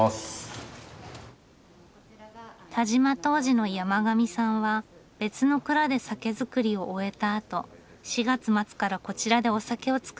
但馬杜氏の山上さんは別の蔵で酒造りを終えたあと４月末からこちらでお酒を造っていたそうです。